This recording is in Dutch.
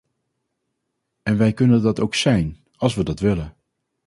En wij kunnen dat ook zijn - als we dat willen.